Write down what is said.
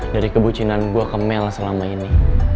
dari kebucinan buah kemel selama ini